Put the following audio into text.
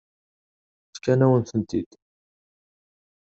Fkan-awen-tent-id.